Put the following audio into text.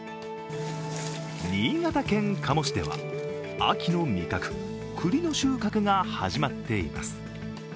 新潟県加茂市では秋の味覚・栗の収穫が始まっています。